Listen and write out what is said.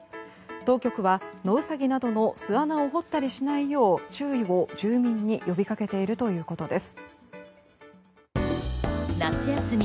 当局は、野ウサギなどの巣穴を掘ったりしないよう注意を住民に呼びかけているということです。